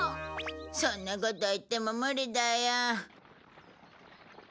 そんなこと言っても無理だよ。